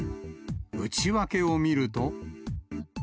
内訳を見ると。